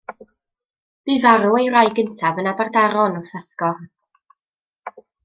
Bu farw ei wraig gyntaf yn Aberdaron wrth esgor.